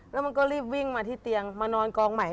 แล้วมันก็รีบวิ่งมาที่เตียงมานอนกองใหม่